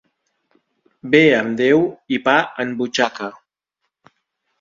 Bé amb Déu i pa en butxaca.